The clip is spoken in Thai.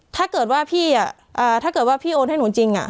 ถ้าเกิดว่าพี่ถ้าเกิดว่าพี่โอนให้หนูจริง